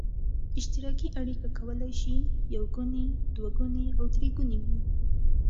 اشتراکي اړیکه کولای شي یو ګونې، دوه ګونې او درې ګونې وي.